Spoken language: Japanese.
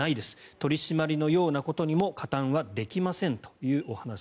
取り締まりのようなことにも加担はできませんと。